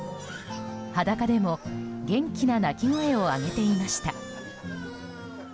裸でも元気な泣き声を上げていました。